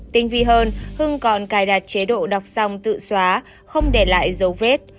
tinh vi hơn hưng còn cài đặt chế độ đọc xong tự xóa không để lại dấu vết